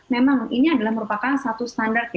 memang ini adalah merupakan satu standar